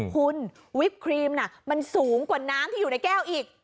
คุณวิปครีมน่ะมันสูงกว่าน้ำที่อยู่ในแก้วอีก